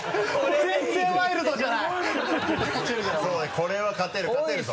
これは勝てる勝てるぞ。